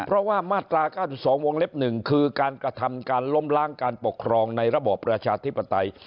เพราะว่ามาตรา๙๒วงเล็บ๑คือการกระทำการล้มล้างการปกครองในระบอบประชาธิปไตย